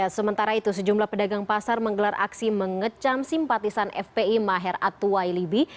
sementara itu sejumlah pedagang pasar menggelar aksi mengecam simpatisan fpi maher atuwailibi